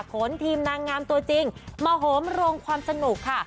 ขนทีมนางงามตัวจริงมาโหมโรงความสนุกค่ะ